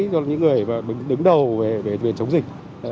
và những người đứng đầu về chống dịch